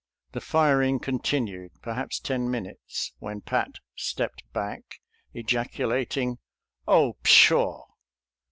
The firing continued perhaps ten minutes, when Pat stepped back, ejaculating, " Oh, pshaw